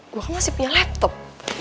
gue kan masih punya laptop